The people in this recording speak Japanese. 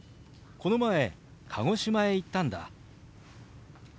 この前鹿児島へ行ったんだ。